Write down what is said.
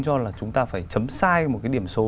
cho là chúng ta phải chấm sai một cái điểm số